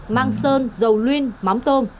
mang sơn dầu luyên mắm tôm